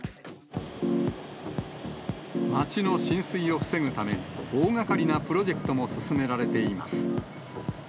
街の浸水を防ぐために大がかりなプロジェクトも進められています。